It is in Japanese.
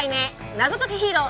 「謎ときヒーロー」